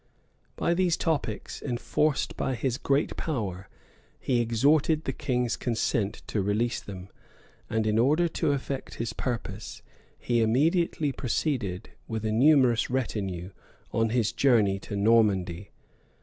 By these topics, enforced by his great power, he extorted the king's consent to release them; and in order to effect his purpose, he immediately proceeded, with a numerous retinue, on his journey to Normandy.